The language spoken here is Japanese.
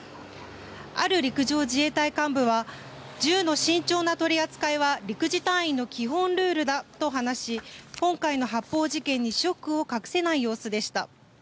ある陸上自衛隊幹部は銃の慎重な取り扱いは陸自隊員の基本ルールだと話し今回の発砲事件にショックを隠せない様子でした。